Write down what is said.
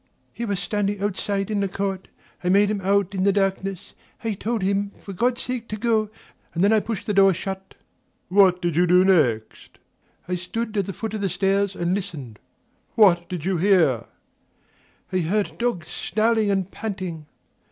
"He was standing outside in the court. I just made him out in the darkness. I told him for God's sake to go, and then I pushed the door shut." "What did you do next?" "I stood at the foot of the stairs and listened." "What did you hear?" "I heard dogs snarling and panting."